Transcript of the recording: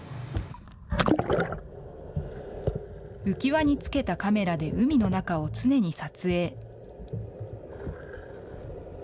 浮き輪につけたカメラで海の中を常に撮影。